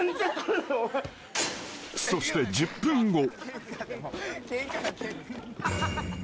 ［そして１０分後］